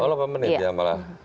kalau delapan menit ya malah